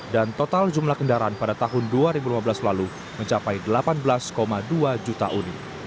dan total jumlah kendaraan pada tahun dua ribu lima belas lalu mencapai delapan belas dua juta unit